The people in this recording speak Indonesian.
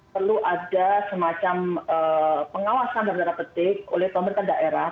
perlu ada semacam pengawasan dalam tanda petik oleh pemerintah daerah